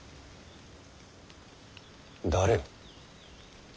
誰を？